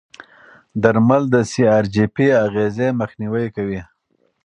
درمل د سی ار جي پي اغېزې مخنیوي کوي.